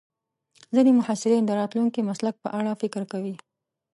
ځینې محصلین د راتلونکي مسلک په اړه فکر کوي.